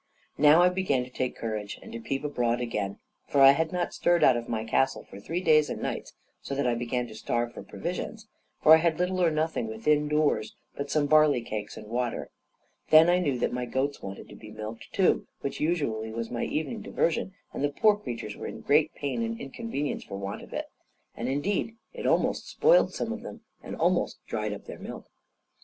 Now I began to take courage, and to peep abroad again, for I had not stirred out of my castle for three days and nights so that I began to starve for provisions; for I had little or nothing within doors but some barley cakes and water; then I knew that my goats wanted to be milked, too, which usually was my evening diversion, and the poor creatures were in great pain and inconvenience for want of it; and, indeed, it almost spoiled some of them, and almost dried up their milk.